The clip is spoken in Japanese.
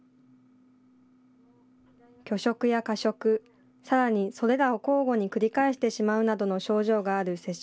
拒食や過食、さらにそれらを交互に繰り返してしまうなどの症状がある摂食